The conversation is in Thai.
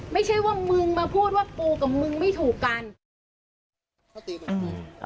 ไม่ใช่ว่ามึงมาพูดว่ากูกับมึงไม่ถูกกัน